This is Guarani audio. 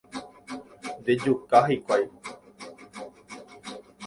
Ndejuka hikuái